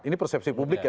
ini persepsi publik ya